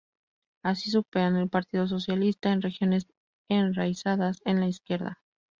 Así superan el Partido Socialista en Regiones enraizadas en la izquierda.